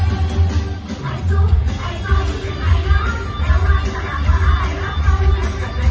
ี่ที่ที่แนนอ้อมีชาวแบบราเย็น